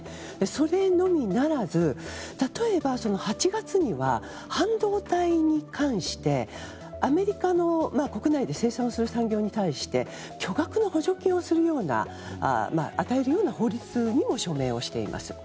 それのみならず例えば、８月には半導体に関してアメリカの国内で生産する産業に対して巨額の補助金を与えるような法律にも署名をしています。